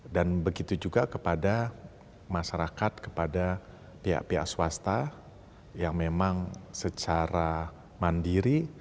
dan begitu juga kepada masyarakat kepada pihak pihak swasta yang memang secara mandiri